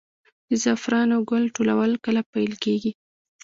د زعفرانو ګل ټولول کله پیل کیږي؟